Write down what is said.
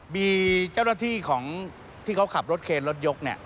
มีเจ้าหน้าที่ของที่เขาขับรถเคนรถยกเนี่ย